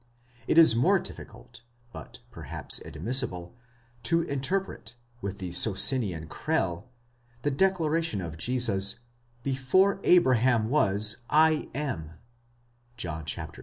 It is more difficult, but perhaps admissible, to interpret, with the Socinian Crell, the declaration of Jesus, Before Abraham was, 7 am, πρὶν ᾿Αβραὰμ.